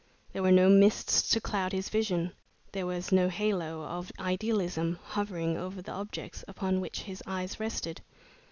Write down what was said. There were no mists to cloud his vision, there was no halo of idealism hovering around the objects upon which his eyes rested.